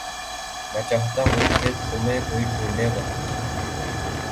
میں چاہتا ہیںں کہ تم تم کیں ڈھیںنڈیں وہاں